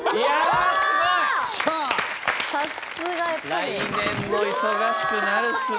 来年も忙しくなるっすね。